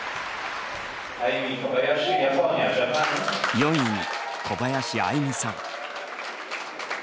４位に小林愛実さん。